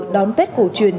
đón tết cổ truyền